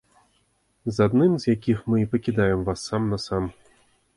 З адным з якіх мы і пакідаем вас сам-насам.